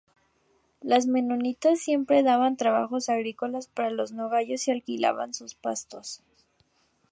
Los menonitas siempre daban trabajos agrícolas para los nogayos y alquilaban sus pastos.